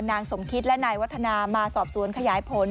นางสมคิตและนายวัฒนามาสอบสวนขยายผล